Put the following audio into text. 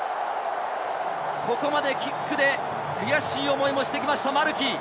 ここまでキックで悔しい思いもしてきたマルキ。